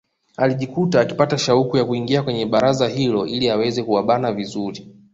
Alijikuta akipata shauku ya kuingia kwenye baraza hilo ili aweze kuwabana vizuri